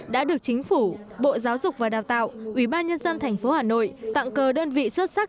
đã được chính phủ bộ giáo dục và đào tạo ubnd tp hà nội tặng cờ đơn vị xuất sắc